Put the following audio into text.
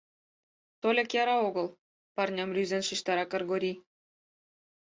Тольык яра огыл, — парням рӱзен шижтара Кыргорий.